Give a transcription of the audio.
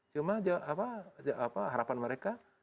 cuma harapan mereka